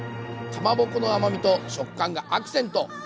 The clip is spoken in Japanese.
かまぼこの甘みと食感がアクセント。